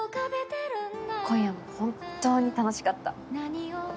今夜も本当に楽しかった。